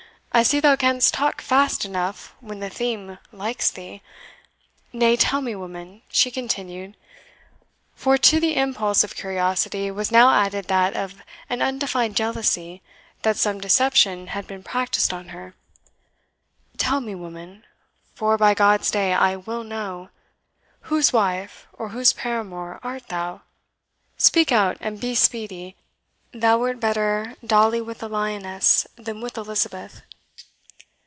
I see thou canst talk fast enough when the theme likes thee. Nay, tell me, woman," she continued, for to the impulse of curiosity was now added that of an undefined jealousy that some deception had been practised on her "tell me, woman for, by God's day, I WILL know whose wife, or whose paramour, art thou! Speak out, and be speedy. Thou wert better daily with a lioness than with Elizabeth."